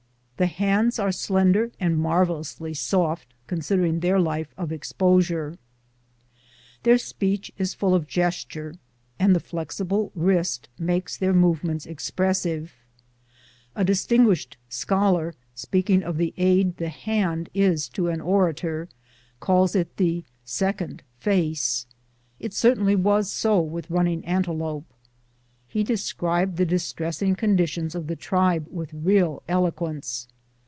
The hands are slender and marvellously soft consider ing their life of exposure. Their speech is full of gest ure, and the flexible wrist makes their movements ex 10* 226 BOOTS AND SADDLES. pressive. A distinguislied scholar, speaking of the aid the hand is to an orator, calls it the '^ second face." It certainly was so with Running Antelope. He described the distressing condition of the tribe with real eloquence.